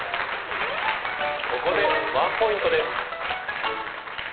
ここでワンポイントです。